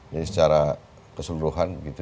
jadi secara keseluruhan gitu